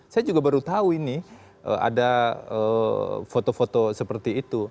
saya juga baru tahu ini ada foto foto seperti itu